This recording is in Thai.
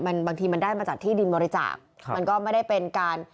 มันบางทีมันได้มาจากที่ดินบริจาคมันก็ไม่ได้เป็นการ